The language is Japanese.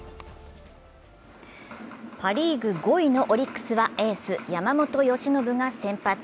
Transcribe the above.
パ・リーグ５位のオリックスはエース・山本由伸が先発。